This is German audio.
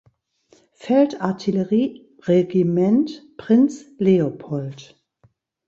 Feld-Artillerieregiment „Prinz Leopold“.